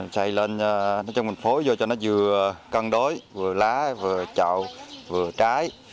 xây lên nói chung mình phối vô cho nó vừa cân đối vừa lá vừa trậu vừa trái